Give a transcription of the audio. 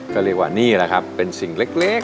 ก็เรียกว่านี่แหละครับเป็นสิ่งเล็ก